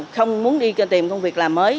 không muốn đi tìm công việc làm mới